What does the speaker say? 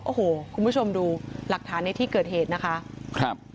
โอ้โหคุณผู้ชมดูหลักฐานในที่เกิดเหตุนะคะครับ